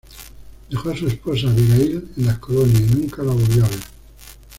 Dejó a su esposa Abigail en las colonias y nunca la volvió a ver.